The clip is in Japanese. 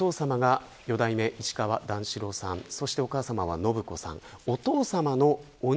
お父さまが四代目市川段四郎さんそしてお母さま、延子さん。